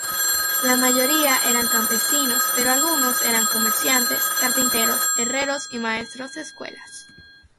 La mayoría eran campesinos, pero algunos eran comerciantes, carpinteros, herreros y maestros de escuelas.